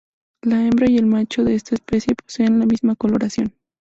La hembra y el macho de esta especie poseen la misma coloración.